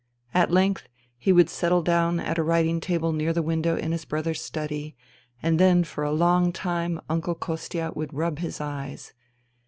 At length he would settle down at a writing table near the window in his brother's study, and then for a long time Uncle Kostia would rub his eyes.